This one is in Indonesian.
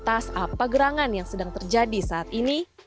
atas apa gerangan yang sedang terjadi saat ini